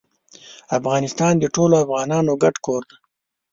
افغانستان د ټولو افغانانو ګډ کور دی.